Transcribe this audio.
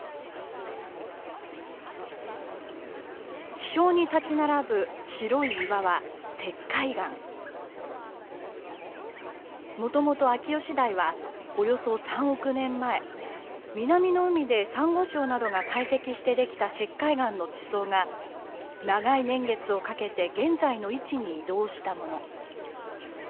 地表に立ち並ぶ白い岩はもともと秋吉台はおよそ３億年前南の海でサンゴ礁などが堆積してできた石灰岩の地層が長い年月をかけて現在の位置に移動したもの。